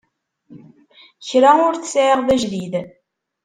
Kra ur t-sɛiɣ d ajdid.